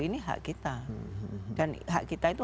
ini hak kita dan hak kita itu